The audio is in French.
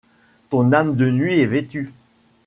Ton âme de nuit est vêtue.